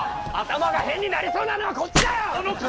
頭が変になりそうなのはこっちだよ！